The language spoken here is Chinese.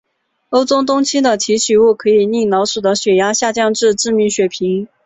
欧洲冬青的提取物可以令老鼠的血压下降至致命水平。